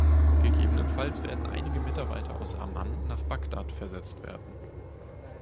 Gegebenenfalls werden einige Mitarbeiter aus Amman nach Bagdad versetzt werden.